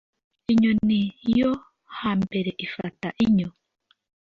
inyoni yo hambere ifata inyo.